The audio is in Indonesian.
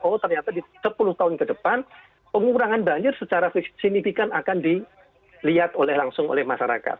oh ternyata di sepuluh tahun ke depan pengurangan banjir secara signifikan akan dilihat langsung oleh masyarakat